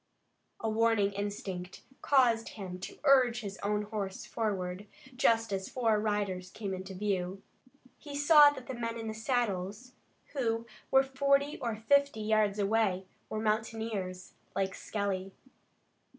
A warning instinct caused him to urge his own horse forward, just as four riders came into view. He saw that the men in the saddles, who were forty or fifty yards away, were mountaineers, like Skelly.